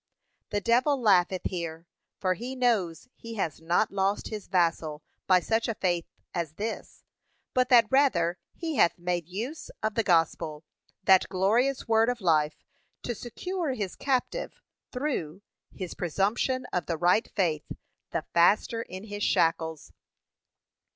The devil laugheth here, for he knows he has not lost his vassal by such a faith as this, but that rather he hath made use of the gospel, that glorious word of life, to secure his captive, through, his presumption of the right faith, the faster in his shackles.